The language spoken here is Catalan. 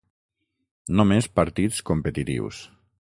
Només partits competitius.